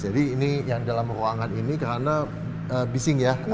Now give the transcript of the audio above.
jadi ini yang dalam ruangan ini karena bising ya